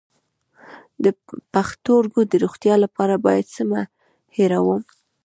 د پښتورګو د روغتیا لپاره باید څه مه هیروم؟